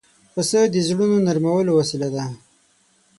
پسه د زړونو نرمولو وسیله ده.